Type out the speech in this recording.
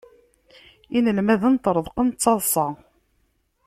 Inalmaden ṭṭreḍqen d taḍsa.